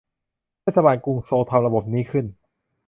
เทศบาลกรุงโซลทำระบบนี้ขึ้น